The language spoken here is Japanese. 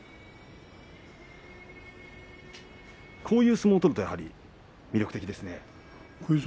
こういう相撲を取るとやはり魅力的ですね。